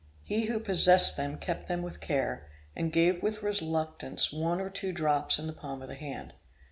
He who possessed them kept them with care, and gave with reluctance one or two drops in the palm of the hand.